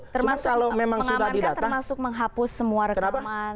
termasuk mengamankan termasuk menghapus semua rekaman